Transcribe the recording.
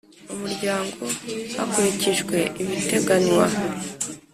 Umuryango Hakurikijwe Ibiteganywa